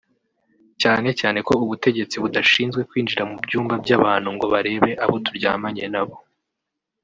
Cyane cyane ko ubutegetsi budashinzwe kwinjira mu byumba by’abantu ngo barebe abo turyamanye nabo